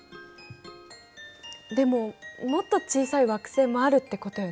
でももっと小さい惑星もあるってことよね？